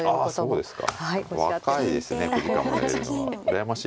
そうですか。